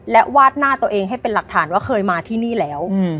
และวาดหน้าตัวเองให้เป็นหลักฐานว่าเคยมาที่นี่แล้ว